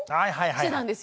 してたんですよ。